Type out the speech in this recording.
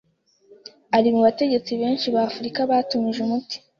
ari mu bategetsi benshi ba Afurika batumije umuti